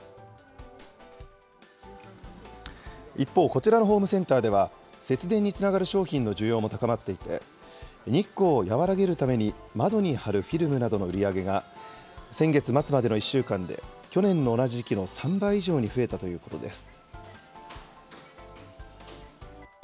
一方、こちらのホームセンターでは節電につながる商品の需要も高まっていて、日光を和らげるために窓に貼るフィルムなどの売り上げが、先月末までの１週間で去年の同じ時期の３倍以上に増えたということです。